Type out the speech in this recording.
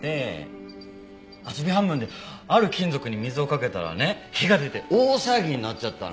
遊び半分である金属に水をかけたらね火が出て大騒ぎになっちゃったの。